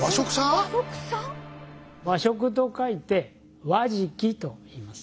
「和食」と書いて「わじき」といいます。